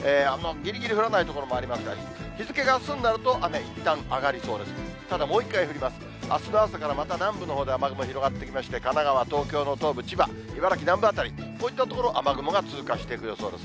ぎりぎり降らない所もありますが、日付があすになると雨、いったん上がりそうです。